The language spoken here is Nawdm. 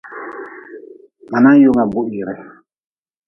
Ma nanyunga buhire.